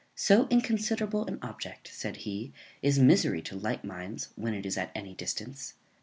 So inconsiderable an object, said he, is misery to light minds, when it is at any distance.